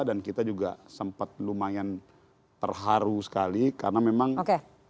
dan kita juga sempat lumayan terharu sekali karena memang mau tidak mau kan ada penguasa